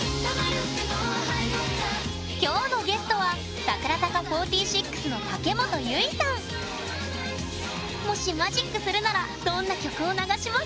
今日のゲストはもしマジックするならどんな曲を流します？